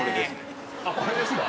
これですか？